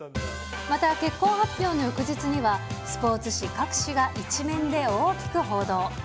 また結婚発表の翌日には、スポーツ紙各紙が１面で大きく報道。